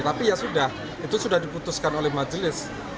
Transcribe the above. tapi ya sudah itu sudah diputuskan oleh majelis